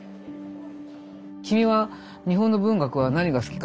「君は日本の文学は何が好きか？